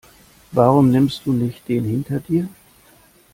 Warum nimmst du nicht den hinter dir?